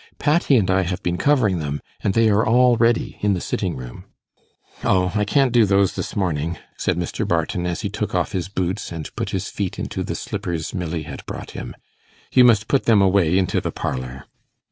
Patty and I have been covering them, and they are all ready in the sitting room.' 'Oh, I can't do those this morning,' said Mr. Barton, as he took off his boots and put his feet into the slippers Milly had brought him; 'you must put them away into the parlour.